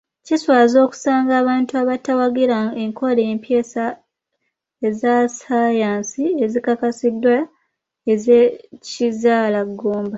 Kiswaza okusanga abantu abatawagira enkola empya ezasaayansi ezikakasiddwa ez'ekizaalaggumba.